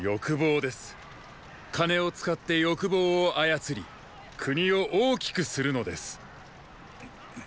金を使って“欲望”を操り国を大きくするのです。